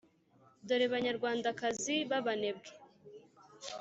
dore banyarwandakazi b'abanebwe,